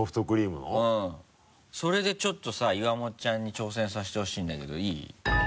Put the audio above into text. それでちょっとさ岩本ちゃんに挑戦させてほしいんだけどいい？